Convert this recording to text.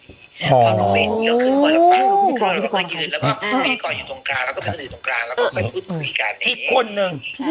อีกคนหนึ่ง